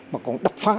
mà còn đập phá